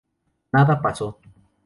Nada pasó.